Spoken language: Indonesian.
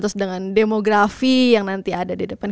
terus dengan demografi yang nanti ada di depan